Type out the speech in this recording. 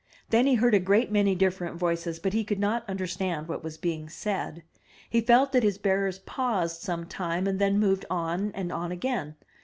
Then he heard a great many different voices, but he could not under stand what was being said. He felt that his bearers paused some time, then moved on and on again.